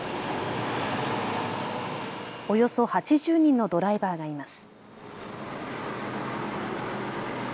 およそ８０人のドライバーがいます。